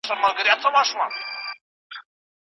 عمر غوښتل چې د غلام رښتونې څېره خلکو ته وښیي.